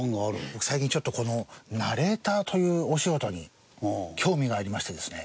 僕最近ちょっとこのナレーターというお仕事に興味がありましてですね。